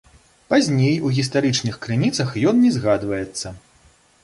Пазней у гістарычных крыніцах ён не згадваецца.